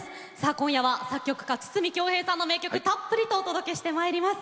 今夜は作曲家・筒美京平さんの名曲の数々をたっぷりとお届けしてまいります。